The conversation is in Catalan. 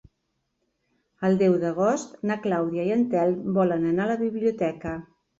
El deu d'agost na Clàudia i en Telm volen anar a la biblioteca.